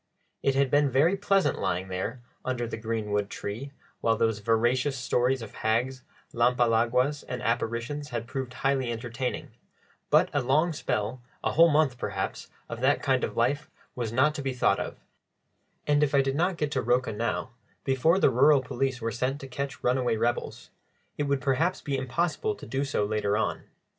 It had been very pleasant lying there "under the greenwood tree," while those veracious stories of hags, lampalaguas, and apparitions had proved highly entertaining; but a long spell, a whole month perhaps, of that kind of life was not to be thought of; and if I did not get to Rocha now, before the rural police were set to catch runaway rebels, it would perhaps be impossible to do so later on.